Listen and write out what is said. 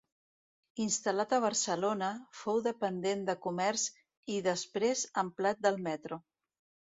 Instal·lat a Barcelona, fou dependent de comerç i, després, empleat del metro.